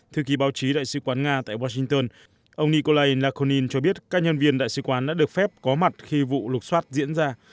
thư ký báo chí đại sứ quán nga tại washington ông nikolai nakhonin cho biết các nhân viên đại sứ quán đã được phép có mặt khi vụ lục xoát diễn ra